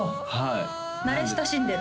慣れ親しんでる？